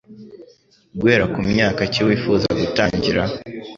guhera kumyaka ki wifuza gutangira?